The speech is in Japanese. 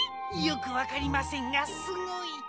よくわかりませんがすごい！